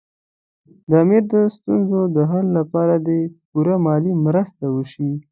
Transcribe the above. د امیر د ستونزو د حل لپاره دې پوره مالي مرستې وشي.